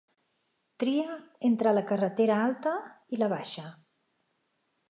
Tria entre la carretera alta i la baixa.